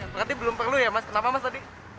berarti belum perlu ya mas kenapa mas tadi